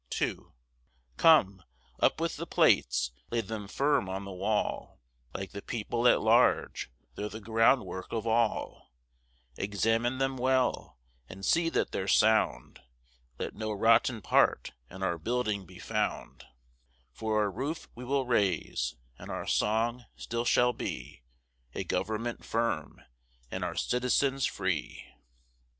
II Come, up with the plates, lay them firm on the wall, Like the people at large, they're the groundwork of all; Examine them well, and see that they're sound, Let no rotten part in our building be found: For our roof we will raise, and our song still shall be A government firm, and our citizens free.